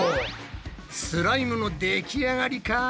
スライムのできあがりか！？